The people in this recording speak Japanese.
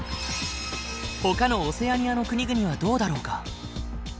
ほかのオセアニアの国々はどうだろうか？